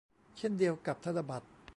เช่นเดียวกับธนบัตร